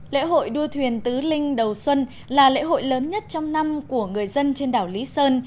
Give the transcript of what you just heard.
lễ hội đua thuyền tứ linh đầu xuân là lễ hội lớn nhất trong năm của người dân trên đảo lý sơn